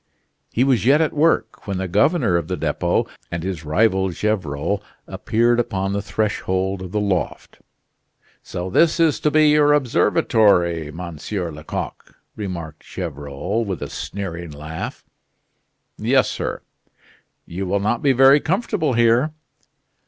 He was yet at work when the governor of the Depot and his rival Gevrol appeared upon the threshold of the loft. "So this is to be your observatory, Monsieur Lecoq!" remarked Gevrol, with a sneering laugh. "Yes, sir." "You will not be very comfortable here."